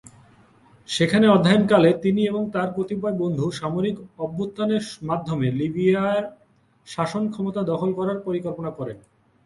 সেখানে অধ্যয়ন কালে তিনি এবং তার কতিপয় বন্ধু সামরিক অভ্যুত্থানের মাধ্যমে লিবিয়ার শাসন ক্ষমতা দখল করার পরিকল্পনা করেন।